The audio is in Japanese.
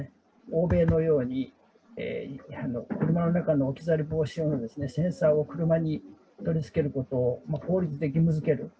欧米のように、車の中に置き去り防止のセンサーを車に取り付けることを法律で義務づける。